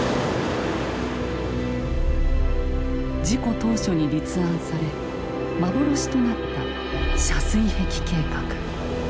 事故当初に立案され幻となった遮水壁計画。